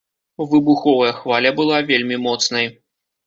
Выбуховая хваля была вельмі моцнай.